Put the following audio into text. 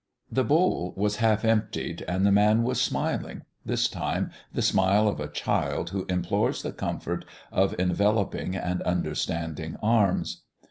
The bowl was half emptied, and the man was smiling this time the smile of a child who implores the comfort of enveloping and understanding arms.